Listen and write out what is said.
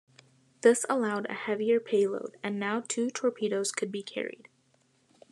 This allowed a heavier payload, and now two torpedoes could be carried.